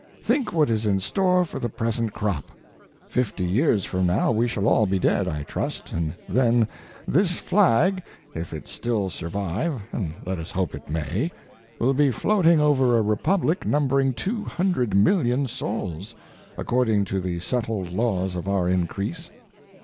Think what is in store for the present crop! Fifty years from now we shall all be dead, I trust, and then this flag, if it still survive (and let us hope it may), will be floating over a Republic numbering 200,000,000 souls, according to the settled laws of our increase.